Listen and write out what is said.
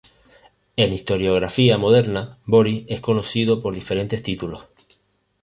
En la historiografía moderna, Boris es conocido por diferentes títulos.